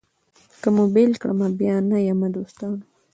که مو بېل کړمه بیا نه یمه دوستانو